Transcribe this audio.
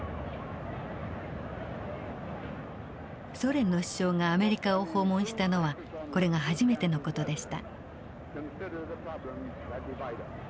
ソ連の首相がアメリカを訪問したのはこれが初めての事でした。